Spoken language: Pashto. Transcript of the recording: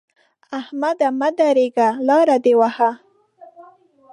احمده! مه درېږه؛ لاره دې وهه.